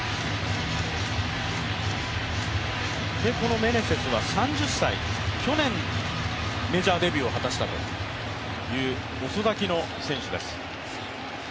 このメネセスは３０歳、去年メジャーデビューを果たしたという遅咲きの選手です。